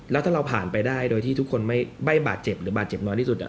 แล้วถ้าเราผ่านไปได้โดยที่ทุกคนไม่บาดเจ็บหรือบาดเจ็บน้อยที่สุด